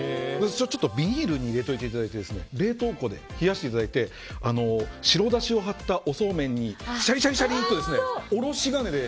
ビニールに入れておいていただいて冷凍庫で冷やしていただいて白だしを張ったおそうめんにシャリシャリっとおろし金で。